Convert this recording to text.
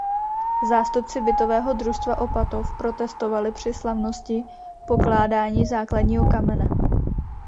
Zástupci Bytového družstva Opatov protestovali při slavnosti pokládání základního kamene.